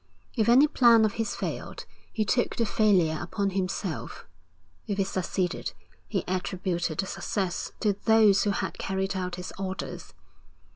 If any plan of his failed he took the failure upon himself; if it succeeded he attributed the success to those who had carried out his orders.